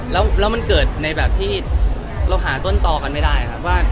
แล้วมันเกิดในแบบที่เราหาต้นต่อกันไม่ได้ครับว่า